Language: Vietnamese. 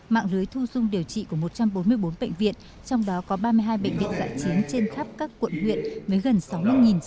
mạng lưới thu dung điều trị của một trăm bốn mươi bốn bệnh viện trong đó có ba mươi hai bệnh viện giã chiến trên khắp các quận huyện với gần sáu mươi xe